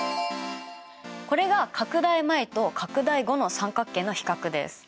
これが拡大前と拡大後の三角形の比較です。